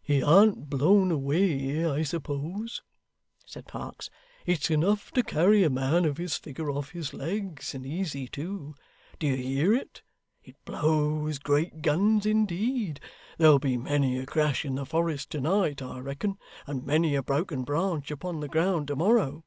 'He an't blown away, I suppose,' said Parkes. 'It's enough to carry a man of his figure off his legs, and easy too. Do you hear it? It blows great guns, indeed. There'll be many a crash in the Forest to night, I reckon, and many a broken branch upon the ground to morrow.